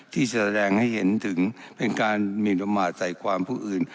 ที่จะแสดงให้เห็นถึงเป็นการหมีนทธิ์เป็นมาตรใต้ความผู้อื่น